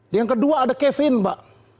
yang kedua ada kevin mbak